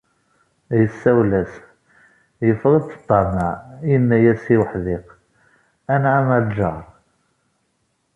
Yessawel-as, yeffeɣ-d ṭṭameε, yenna-as i wuḥdiq: “Anεam a lğar."